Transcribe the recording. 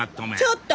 ちょっと！